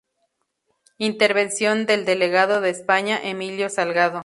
Intervención del delegado de España, Emilio Salgado.